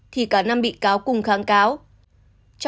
thì cả năm bị cáo cùng kháng cáo